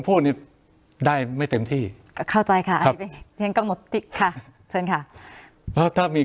ผมพูดได้ไม่เต็มที่เชิญค่ะเนี้ยเชิญค่ะเข้าใจค่ะเพราะถ้ามี